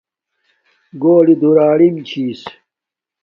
گھولی دولاریم چھس